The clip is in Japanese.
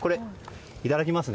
いただきますね。